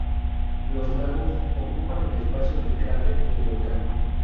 Los lagos ocupan el espacio del cráter del volcán.